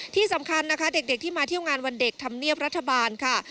ที่สำคัญนะคะเด็กที่มาเที่ยวงานวันเด็กธรรมเนียบรัฐบาลค่ะ